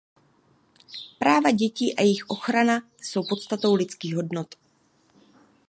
Práva dětí a jejich ochrana jsou podstatou lidských hodnot.